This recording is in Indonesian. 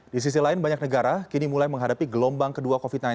di sisi lain banyak negara kini mulai menghadapi gelombang kedua covid sembilan belas